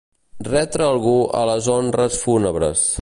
Retre a algú les honres fúnebres.